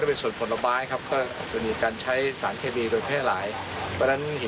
นึงนะครับ